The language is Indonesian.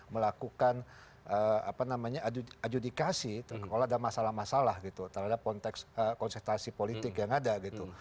melakukan adjudikasi kalau ada masalah masalah gitu terhadap konsentrasi politik yang ada gitu